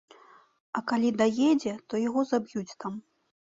А калі даедзе, то яго заб'юць там.